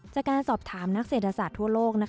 จากการสอบถามนักเศรษฐศาสตร์ทั่วโลก